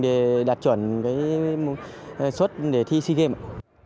để đạt chuẩn xuất để thi sea games